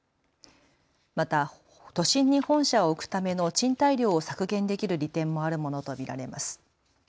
また都心に本社を置くための賃貸料を削減できる利点もあるものと見られます。